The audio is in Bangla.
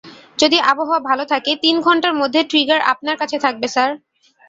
যদি আবহাওয়া ভালো থাকে, তিন ঘন্টার মধ্যে ট্রিগার আপনার কাছে থাকবে, স্যার।